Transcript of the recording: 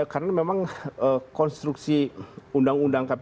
karena memang konstruksi undang undang kpk sendiri